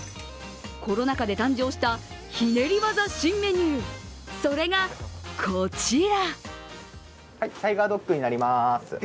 コロナ禍で誕生したひねり技新メニュー、それがこちら。